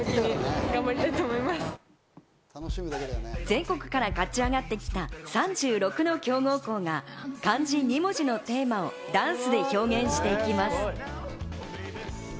全国から勝ち上がってきた３６の強豪校が漢字２文字のテーマをダンスで表現していきます。